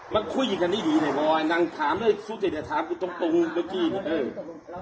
มันคุยกันดีเลยบ่อยนั่งถามเลยสุดที่จะถามกูตรงเมื่อกี้เนี่ย